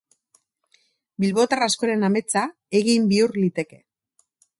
Bilbotar askoren ametsa egin bihur liteke.